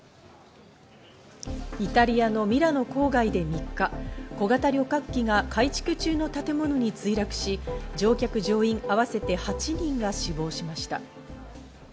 イタリアのミラノ郊外で３日、小型旅客機が改築中の建物に墜落し、乗客・乗員合わせて８人が死亡しました。